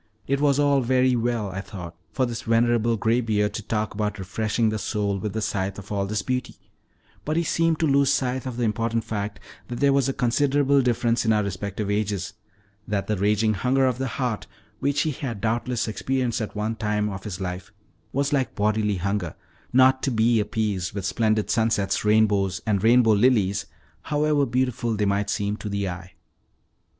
It was all very well, I thought, for this venerable graybeard to talk about refreshing the soul with the sight of all this beauty; but he seemed to lose sight of the important fact that there was a considerable difference in our respective ages, that the raging hunger of the heart, which he had doubtless experienced at one time of his life, was, like bodily hunger, not to be appeased with splendid sunsets, rainbows and rainbow lilies, however beautiful they might seem to the eye.